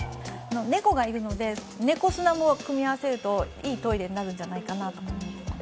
猫がいるので、猫砂も組み合わせるといいトイレになるんじゃないかなと思います。